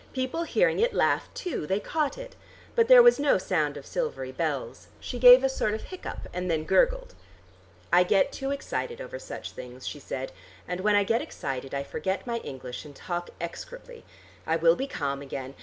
People hearing it laughed too: they caught it. But there was no sound of silvery bells. She gave a sort of hiccup and then gurgled. "I get too excited over such things," she said. "And when I get excited I forget my English and talk execrably. I will be calm again.